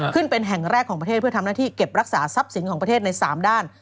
ขึ้นเป็นแห่งแรกของประเทศเพื่อทำหน้าที่เก็บรักษาทรัพย์สินของประเทศใน๓ด้าน